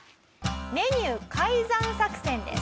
メニュー改ざん作戦です。